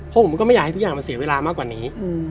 เพราะผมก็ไม่อยากให้ทุกอย่างมันเสียเวลามากกว่านี้